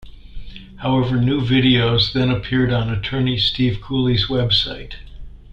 However, new videos then appeared on attorney Steve Cooley's website.